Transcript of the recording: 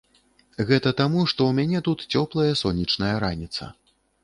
Гэта таму, што ў мяне тут цёплая сонечная раніца.